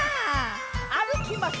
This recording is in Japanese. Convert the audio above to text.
あるきます。